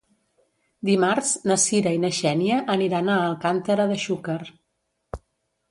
Dimarts na Sira i na Xènia aniran a Alcàntera de Xúquer.